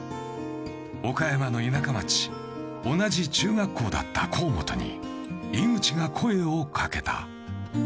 岡山の田舎町、同じ中学校だった河本に井口が声をかけた。